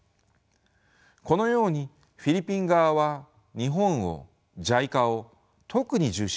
このようにフィリピン側は日本をＪＩＣＡを特に重視しているのです。